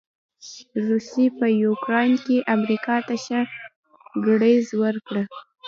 روسې په يوکراين کې امریکا ته ښه ګړز ورکړ.